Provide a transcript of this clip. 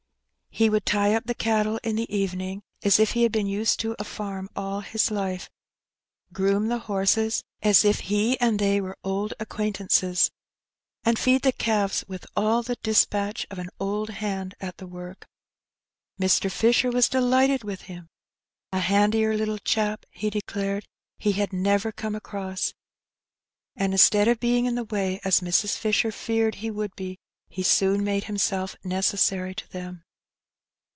He would tie up the cattle in the evening as if he had been used to a farm all his life; groom the horses as if he and Life at the Farm. 229 they were old acquaintances; and feed the calves with all the dispatch of an old hand at the work. Mr. Fisher was delighted with him ;" a handier little chap/^ he declared, *^he had never come across.^^ And instead of being in the way, as Mrs. Fisher feared he would be, he soon made him self necessary to them.